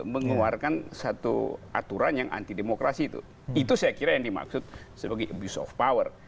mengeluarkan satu aturan yang anti demokrasi itu itu saya kira yang dimaksud sebagai abuse of power